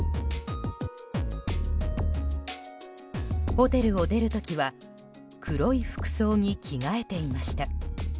ホテルを出る時は黒い服装に着替えていました。